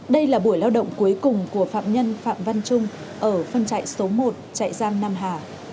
đây là buổi lao động cuối cùng của phạm nhân phạm văn trung ở phân trại số một trại giam nam hà